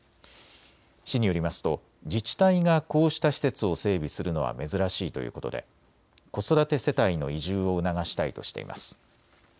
市によりますと自治体がこうした施設を整備するのは珍しいということで子育て世帯の移住を促したいとしています。